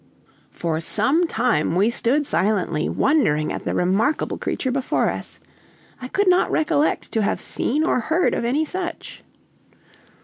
For some time we stood silently wondering at the remarkable creature before us. I could not recollect to have seen or heard of any such.